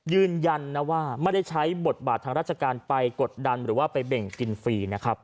ยืนยันนะว่าไม่ได้ใช้บทบาททางราชการไปกดดันหรือว่าไปเบ่งกินฟรีนะครับ